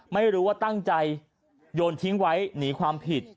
ไม่รู้ว่าตั้งใจโยนทิ้งไว้หนีความผิด